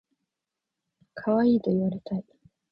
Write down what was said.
かわいいと言われたい